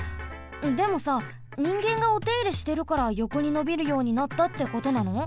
でもさにんげんがおていれしてるからよこにのびるようになったってことなの？